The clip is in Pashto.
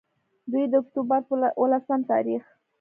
دوي د اکتوبر پۀ ولسم تاريخ